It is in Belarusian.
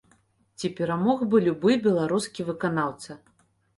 Ці перамог бы любы беларускі выканаўца.